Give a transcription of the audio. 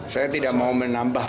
saya tidak mau menambah